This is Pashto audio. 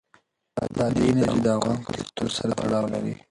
بادي انرژي د افغان کلتور سره تړاو لري.